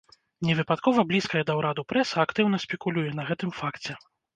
Не выпадкова блізкая да ўраду прэса актыўна спекулюе на гэтым факце.